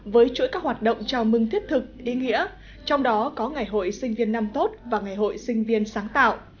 với chuỗi các hoạt động chào mừng thiết thực ý nghĩa trong đó có ngày hội sinh viên năm tốt và ngày hội sinh viên sáng tạo